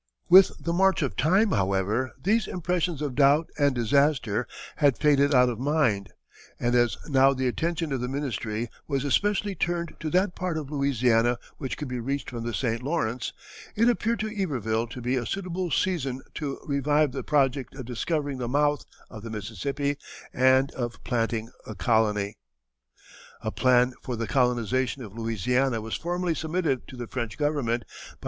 With the march of time, however, these impressions of doubt and disaster had faded out of mind, and as now the attention of the ministry was especially turned to that part of Louisiana which could be reached from the St. Lawrence, it appeared to Iberville to be a suitable season to revive the project of discovering the mouth of the Mississippi and of planting a colony. A plan for the colonization of Louisiana was formally submitted to the French Government by M.